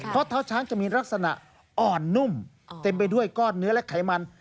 เพราะเท้าช้างจะมีลักษณะอ่อนนุ่มเต็มไปด้วยก้อนเนื้อและไขมัน